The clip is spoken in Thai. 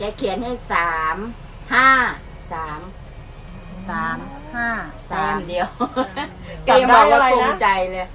แกเขียนให้สามห้าสามสามห้าสามเดียวแกยังบอกว่ากลุ่มใจเลย